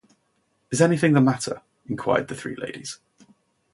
‘Is anything the matter?’ inquired the three ladies.